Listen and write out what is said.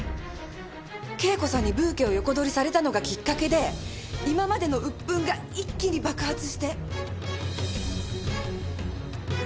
圭子さんにブーケを横取りされたのがきっかけで今までのうっぷんが一気に爆発して。